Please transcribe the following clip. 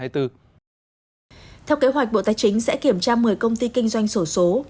theo kế hoạch bộ tài chính sẽ kiểm tra một mươi công ty kinh doanh sổ số